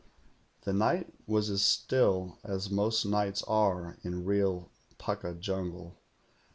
"The night was as still as most nights are in real, pukka jungle.